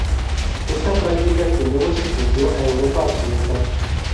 Esta práctica que luego se extendió a Europa occidental.